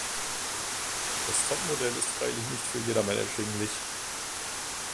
Das Topmodell ist freilich nicht für jedermann erschwinglich.